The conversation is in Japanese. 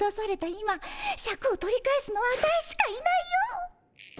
今シャクを取り返すのはアタイしかいないよ。